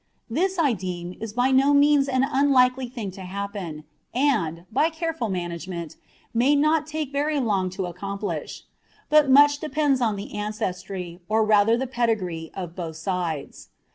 This, I deem, is by no means an unlikely thing to happen, and, by careful management, may not take very long to accomplish; but much depends on the ancestry, or rather the pedigree of both sides.